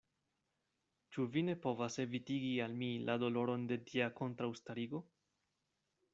Ĉu vi ne povas evitigi al mi la doloron de tia kontraŭstarigo?